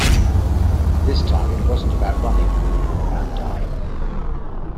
This time it wasn't about running, it was about dying.